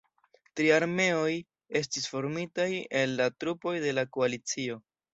Tri armeoj estis formitaj el la trupoj de la koalicio.